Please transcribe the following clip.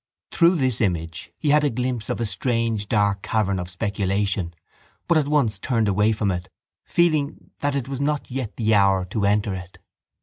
Through this image he had a glimpse of a strange dark cavern of speculation but at once turned away from it, feeling that it was not yet the hour to enter it.